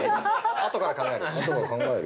あとから考える。